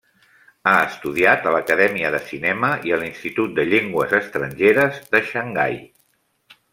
Ha estudiat a l'Acadèmia de Cinema i a l'Institut de Llengües Estrangeres de Xangai.